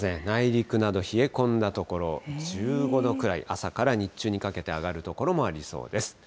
内陸など、冷え込んだ所、１５度くらい、朝から日中にかけて上がる所もありそうです。